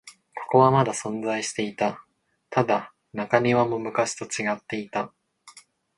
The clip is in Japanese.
ここはまだ存在していた。ただ、中庭も昔と違っていた。